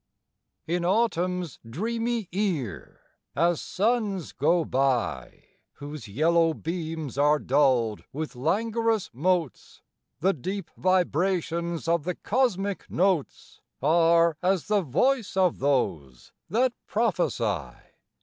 In autumn's dreamy ear, as suns go by Whose yellow beams are dulled with languorous motes, The deep vibrations of the cosmic notes Are as the voice of those that prophesy.